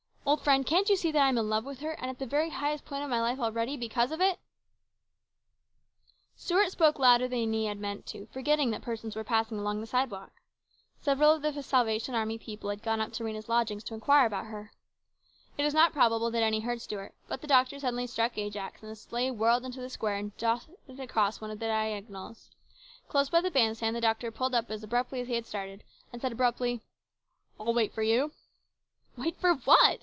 " Old friend, can't you see that I am in love with her, and at the very highest point of my life already because of it ?" Stuart spoke louder than he had meant to, forgetting that persons were passing along the side walk. Several of the Salvation Army people had gone up to Rhena's lodgings to inquire about her. It is not probable that any heard Stuart, but the doctor suddenly struck Ajax, and the sleigh whirled into the 19G HIS BROTHER'S KEEPER. square and darted across one of the diagonals. Close by the band stand the doctor pulled up as suddenly as he had started, and said abruptly, " I'll wait for you." " Wait for what